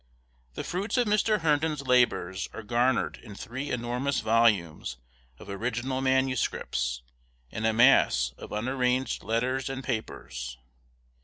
The fruits of Mr. Herndon's labors are garnered in three enormous volumes of original manuscripts and a mass of unarranged letters and papers.